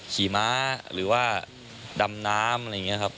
ขี่ม้าหรือว่าดำน้ำอะไรอย่างนี้ครับ